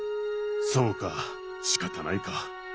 そうかしかたないか。